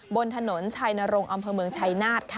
บนถนนชัยนรงค์อำเภอเมืองชัยนาธค่ะ